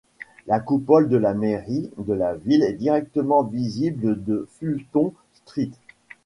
La coupole de la mairie de la ville est directement visible de Fulton Street.